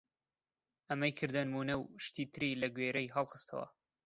ئەمەی کردە نموونە و شتی تری لە گوێرەی هەڵخستەوە!